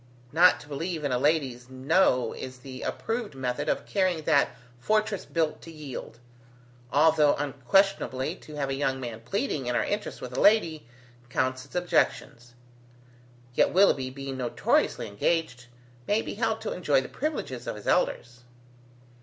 Not to believe in a lady's No is the approved method of carrying that fortress built to yield. Although unquestionably to have a young man pleading in our interests with a lady, counts its objections. Yet Willoughby being notoriously engaged, may be held to enjoy the privileges of his elders."